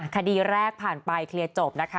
คดีแรกผ่านไปเคลียร์จบนะคะ